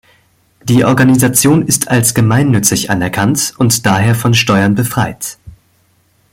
Die Organisation ist als gemeinnützig anerkannt und daher von Steuern befreit.